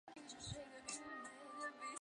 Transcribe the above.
空丹车站。